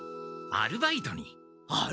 アルバイト？